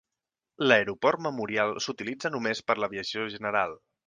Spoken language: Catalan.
L'aeroport Memorial s'utilitza només per a l'aviació general.